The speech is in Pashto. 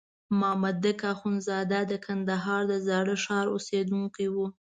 مامدک اخندزاده د کندهار د زاړه ښار اوسېدونکی وو.